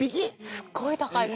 すっごい高い。